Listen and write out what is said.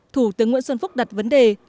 thủ tướng nguyễn xuân phúc đặt vấn đề